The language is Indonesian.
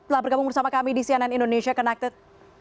telah bergabung bersama kami di cnn indonesia connected